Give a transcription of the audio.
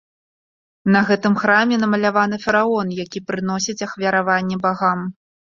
На гэтым храме намаляваны фараон, які прыносіць ахвяраванне багам.